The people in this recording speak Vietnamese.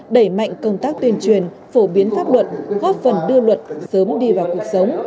đẩy mạnh công tác tuyên truyền phổ biến pháp luật góp phần đưa luật sớm đi vào cuộc sống